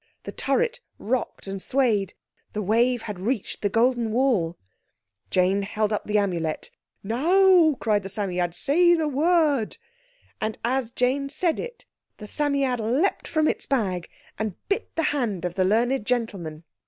The turret rocked and swayed; the wave had reached the golden wall. Jane held up the Amulet. "Now," cried the Psammead, "say the word!" And as Jane said it the Psammead leaped from its bag and bit the hand of the learned gentleman.